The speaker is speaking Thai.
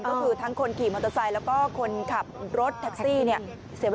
ก็คือทั้งคนขี่มอเตอร์ไซค์แล้วก็คนขับรถแท็กซี่เนี่ย